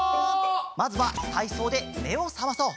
まずはたいそうでめをさまそう！